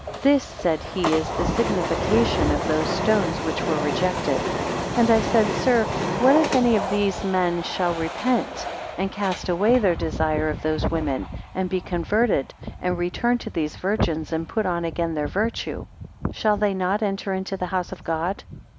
This, said he, is the signification of those stones which were rejected. 132 And I said, sir, what if any of these men shall repent, and cast away their desire of those women, and be converted, and return to these virgins, and put on again their virtue; shall they not enter into the house of God?